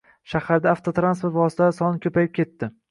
Shaharda avtotransport vositalar soni ko‘payib ketdi.